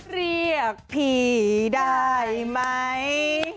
เรียกพี่ได้ไหม